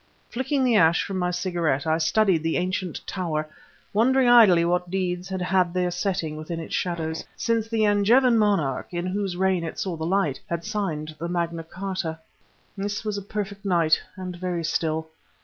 Flicking the ash from my cigarette, I studied the ancient tower wondering idly what deeds had had their setting within its shadows, since the Angevin monarch, in whose reign it saw the light, had signed the Magna Charta. This was a perfect night, and very still.